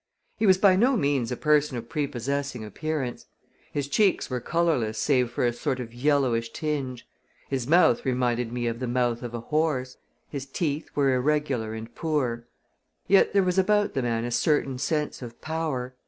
He was by no means a person of prepossessing appearance. His cheeks were colorless save for a sort of yellowish tinge. His mouth reminded me of the mouth of a horse; his teeth were irregular and poor. Yet there was about the man a certain sense of power.